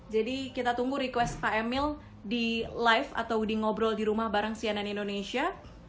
jadi kita tunggu request pak emil di live atau di ngobrol di rumah bareng cnn indonesia